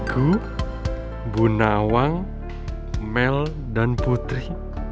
ku bu nawang mel dan putri